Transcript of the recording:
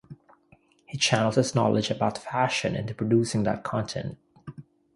He channels his knowledge about fashion into producing that content.